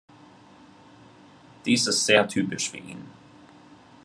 Dies ist sehr typisch für ihn.